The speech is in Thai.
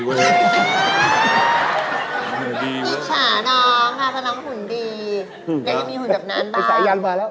ยังไม่มีหุ่นแบบนั้นหรอพี่สายยาร่มาแล้ว